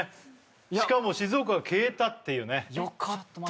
しかも静岡が消えたっていうねよかった